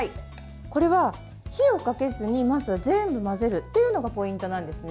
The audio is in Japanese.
これは、火をかけずにまず全部混ぜるっていうのがポイントなんですね。